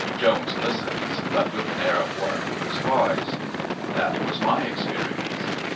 Jones listens, but with an air of one who is wise. That was my experience.